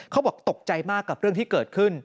เขาบอกตกใจมากกับเรื่องที่เกิดขึ้น